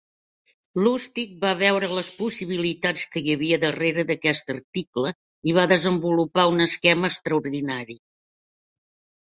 Lustig va veure les possibilitats que hi havia darrere d'aquest article i va desenvolupar un esquema extraordinari.